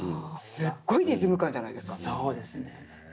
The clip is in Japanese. すっごいリズム感じゃないですか。